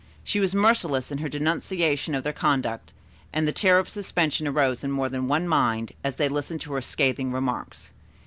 She was merciless in her denunciation of their conduct, and the terror of suspension arose in more than one mind, as they listened to her scathing remarks.